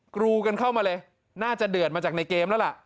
กรูกันเข้ามาเลยน่าจะเดือดมาจากในเกมแล้วล่ะ